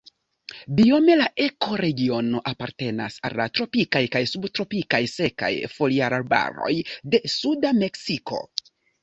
Biome la ekoregiono apartenas al tropikaj kaj subtropikaj sekaj foliarbaroj de suda Meksiko.